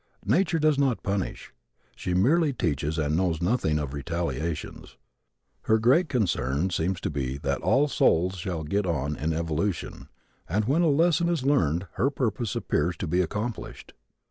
Nature does not punish. She merely teaches and knows nothing of retaliations. Her great concern seems to be that all souls shall get on in evolution and when a lesson is learned her purpose appears to be accomplished.